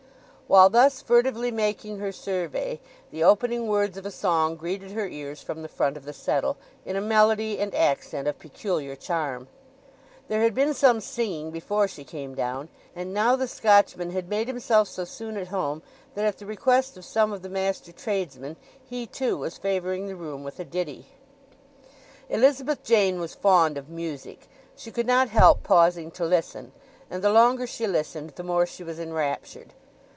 While thus furtively making her survey the opening words of a song greeted her ears from the front of the settle, in a melody and accent of peculiar charm. There had been some singing before she came down; and now the Scotchman had made himself so soon at home that, at the request of some of the master tradesmen, he, too, was favouring the room with a ditty. Elizabeth Jane was fond of music; she could not help pausing to listen; and the longer she listened the more she was enraptured.